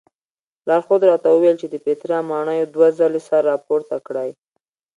لارښود راته وویل چې د پیترا ماڼیو دوه ځلې سر راپورته کړی.